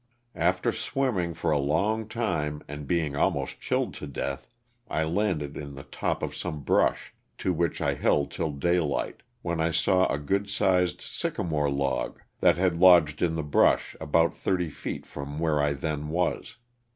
After swimming for a long time, and being almost chilled to death, I landed in the top of some brush, to which I held till daylight, when I saw a good sized sycamore log that had lodged in the brush about thirty feet from where I then was.